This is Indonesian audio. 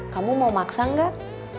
kamu mau maksa gak